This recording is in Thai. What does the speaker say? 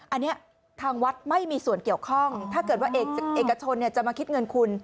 อันนี้ทางวัดไม่มีส่วนเกี่ยวข้องถ้าเกิดว่าเอกชนจะมาคิดเงินคุณ